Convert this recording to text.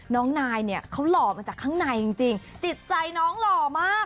น้องนายเนี่ยเขาหล่อมาจากข้างในจริงจิตใจน้องหล่อมาก